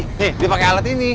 nih dia pake alat ini